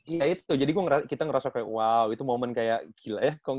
iya itu jadi kita ngerasa kayak wow itu momen kayak gila ya